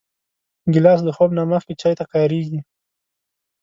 ګیلاس د خوب نه مخکې چای ته کارېږي.